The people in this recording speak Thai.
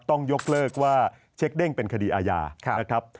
ต้องยกเลิกว่าเช็คเด้งเป็นคดีอาญานะครับ